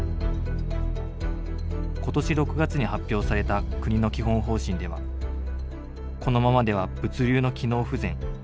今年６月に発表された国の基本方針ではこのままでは物流の機能不全